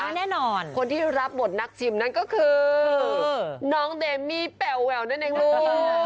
แน่นอนคนที่รับบทนักชิมนั่นก็คือน้องเดมี่แปลแววนั่นเองลูก